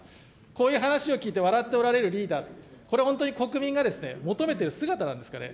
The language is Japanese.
こういう話を聞いて、笑っておられるリーダー、これ、本当に国民が求めている姿なんですかね。